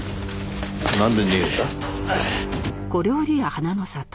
なんで逃げた？